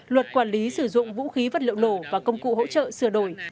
luật quản lý sử dụng vũ khí vật liệu nổ và công cụ hỗ trợ sửa đổi